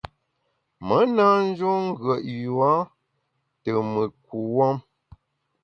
Me na njun ngùet yua te mùt kuwuom.